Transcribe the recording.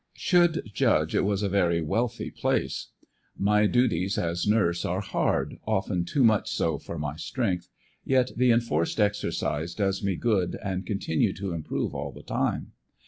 Should judge it was a very wealthy place. My duties as nurse are hard, often too much so for my strength, yet the enforced exercise does me good and continue to improve all the time.